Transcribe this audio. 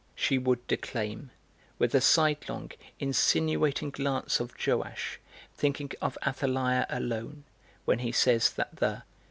she would declaim, with the sidelong, insinuating glance of Joash, thinking of Athaliah alone when he says that the